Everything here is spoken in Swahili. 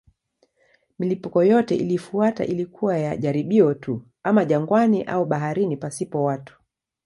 Milipuko yote iliyofuata ilikuwa ya jaribio tu, ama jangwani au baharini pasipo watu.